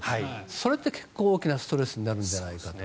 それって結構大きなストレスになるんじゃないかと。